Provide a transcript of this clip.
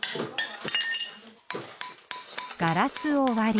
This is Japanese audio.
ガラスを割り。